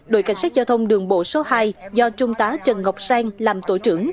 đội cảnh sát giao thông đường bộ số hai do trung tá trần ngọc sang làm tổ trưởng